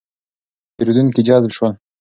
پېرېدونکي جذب شول.